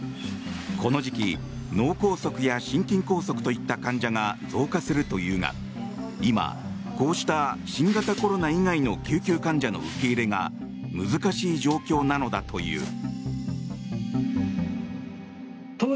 この時期脳梗塞や心筋梗塞といった患者が増加するというが今、こうした新型コロナ以外の救急患者の受け入れが難しい状況なのだという。